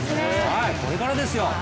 これからですよ。